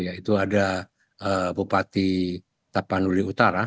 yaitu ada bupati tapanuli utara